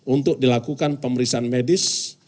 untuk dilakukan pemeriksaan medis